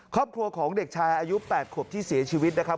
ครอบครัวของเด็กชายอายุ๘ขวบที่เสียชีวิตนะครับ